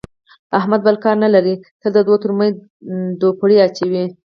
احمد بل کار نه لري، تل د دوو ترمنځ دوپړې اچوي.